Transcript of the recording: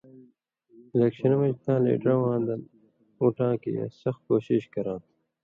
الیکشنہ مژ تاں لیڈرہ واں دن اُٹاں کریا سخ کوشیشہ کراں تھہ۔